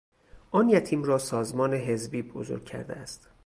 آن یتیم را سازمان حزبی بزرگ کرده است.